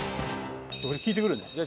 俺聞いてくるね。